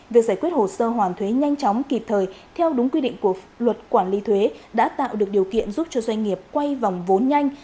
việc giải quyết hồ sơ hoàn thuế nhanh chóng kịp thời theo đúng quy định của luật quản lý thuế đã tạo được điều kiện giúp cho doanh nghiệp quay vòng vốn nhanh